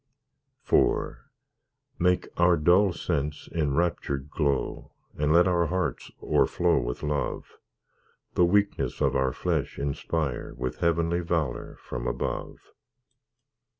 IV Make our dull sense enraptured glow, And let our hearts o'erflow with love; The weakness of our flesh inspire With heavenly valour from above.